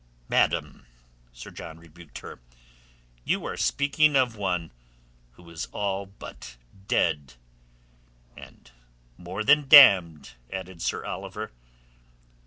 "Madam," Sir John rebuked her, "you are speaking of one who is all but dead." "And more than damned," added Sir Oliver.